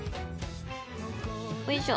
おいしょ。